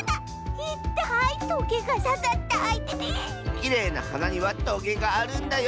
きれいなはなにはトゲがあるんだよ。